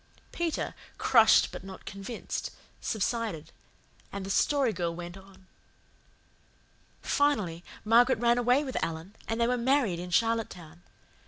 Peter, crushed but not convinced, subsided, and the Story Girl went on. "Finally, Margaret ran away with Alan, and they were married in Charlottetown.